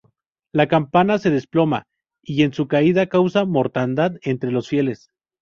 La campana se desploma y, en su caída, causa mortandad entre los fieles.